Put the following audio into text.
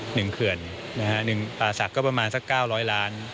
หนึ่งเคือนปาสักก็ประมาณสัก๙๐๐ล้าน